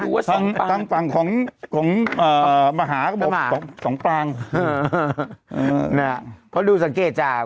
หรือว่าสองปางทางฝั่งของของเอ่อมหาเขาบอกสองปางน่ะเพราะดูสังเกตจาก